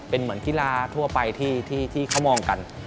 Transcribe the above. เป็นเหมือนกีฬาทั่วไปที่เขามองกัน